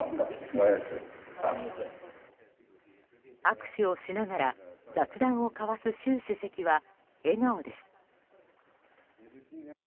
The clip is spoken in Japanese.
握手をしながら雑談を交わす習主席は笑顔です。